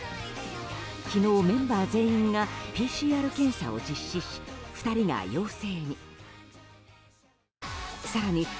昨日メンバー全員がＰＣＲ検査を実施し２人が陽性に。